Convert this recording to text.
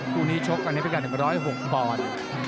คู่นี้ชกกันให้ไปกัน๑๐๖บอล